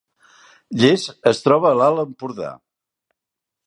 Llers es troba a l’Alt Empordà